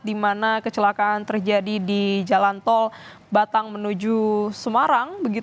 di mana kecelakaan terjadi di jalan tol batang menuju semarang